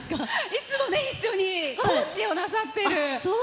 いつも一緒にコーチをなさっている。